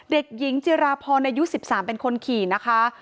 เด็กหญิงจิราพรอายุ๑๓เป็นคนขี่นะคะ